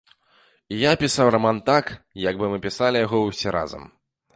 І я пісаў раман так, як бы мы пісалі яго ўсе разам.